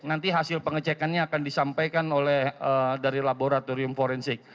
nanti hasil pengecekannya akan disampaikan oleh dari laboratorium forensik